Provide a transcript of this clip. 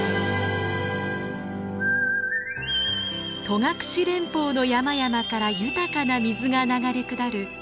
戸隠連峰の山々から豊かな水が流れ下る